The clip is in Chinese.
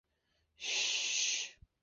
民国时期广东军阀陈济棠三子。